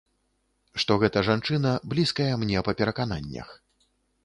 Што гэта жанчына, блізкая мне па перакананнях.